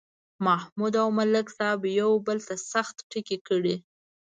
محمود او ملک صاحب یو بل ته سخت ټکي کړي.